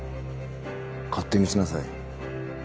勝手にしなさい。